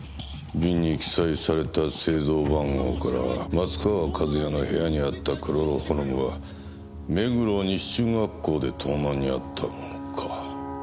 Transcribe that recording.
瓶に記載された製造番号から松川一弥の部屋にあったクロロホルムは目黒西中学校で盗難にあったものか。